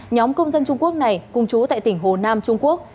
nhóm công dân trung quốc này cùng chú tại tỉnh hồ nam trung quốc